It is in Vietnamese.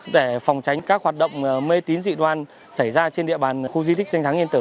để phòng tránh các hoạt động mê tín dị đoan xảy ra trên địa bàn khu di tích danh tháng yên tử